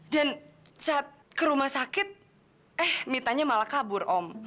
dan saat ke rumah sakit eh mitanya malah kabur om